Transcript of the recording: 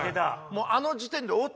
あの時点でおっ！